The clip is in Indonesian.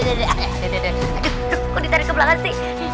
kok ditarik ke belakang sih